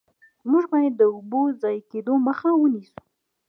موږ باید د اوبو ضایع کیدو مخه ونیسو.